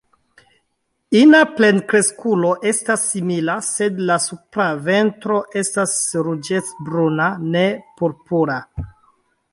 Ina plenkreskulo estas simila, sed la supra ventro estas ruĝecbruna, ne purpura.